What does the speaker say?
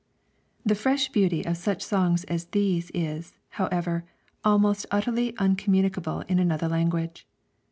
The fresh beauty of such songs as these is, however, almost utterly uncommunicable in another language.